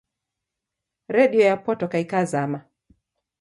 Redio yapotoka ikazama